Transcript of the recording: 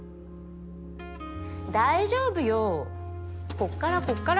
大丈夫よこっからこっから。